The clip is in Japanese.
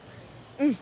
うん。